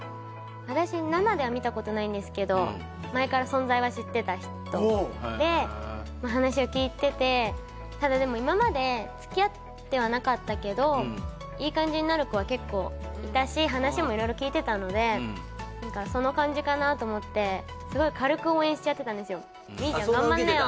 私生では見たことないんですけど前から存在は知ってた人でまあ話を聞いててただでも今まで付き合ってはなかったけどいい感じになる子は結構いたし話も色々聞いてたので何かその感じかなと思ってすごい相談受けてたんだうん